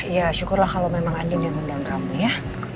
ya syukurlah kalau memang andin yang undang kamu ya